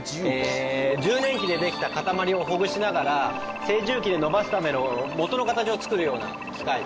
揉捻機でできた塊をほぐしながら精揉機で伸ばすための元の形を作るような機械です。